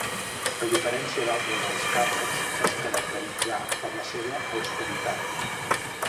A diferència d'altres alt càrrecs, es caracteritzà per la seva austeritat.